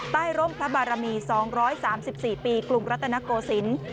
ร่มพระบารมี๒๓๔ปีกรุงรัตนโกศิลป์